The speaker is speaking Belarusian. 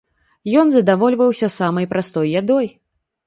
Ён задавольваўся самай простай ядой.